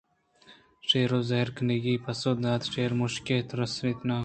شیرءَ زہرکِنکّی پسّہ دات شیر مُشکےءَتُرسیت؟ نا